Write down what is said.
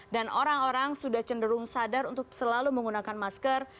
dan orang orang sudah cenderung sadar untuk selalu menggunakan masker